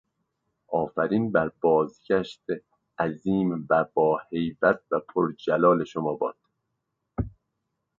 آفرین بر بازگشت عظیم و باهیبت و پرجلال شما باد.